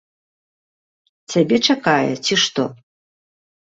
Цябе чакае, ці што?